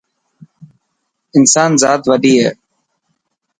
اسان زات وڏي هي.